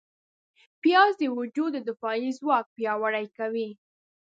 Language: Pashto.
پیاز د وجود دفاعي ځواک پیاوړی کوي